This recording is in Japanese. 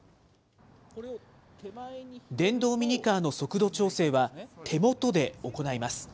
電動ミニカーの速度調整は手元で行います。